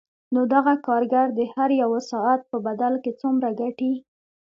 نو دغه کارګر د هر یوه ساعت په بدل کې څومره ګټي